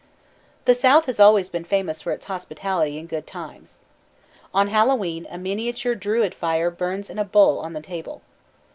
The South has always been famous for its hospitality and good times. On Hallowe'en a miniature Druid fire burns in a bowl on the table.